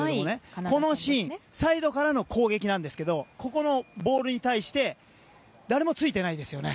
このシーンサイドからの攻撃なんですがここのボールに対して誰もついていないんです。